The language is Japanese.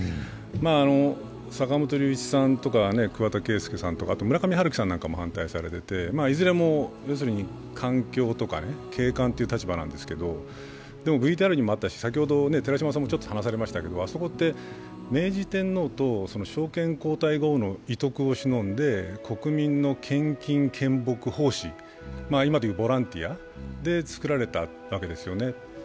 坂本龍一さんとか桑田佳祐さんとか村上春樹さんも反対されていて、いずれも環境とか景観という立場なんですけど、でもＶＴＲにもあったし先ほど寺島さんも話されましたけどあそこって明治天皇と皇太后の遺徳をしのんで国民の奉仕、今で言うボランティアで作られたわけですよね